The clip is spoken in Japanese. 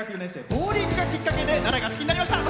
ボウリングがきっかけで奈良が好きになりました。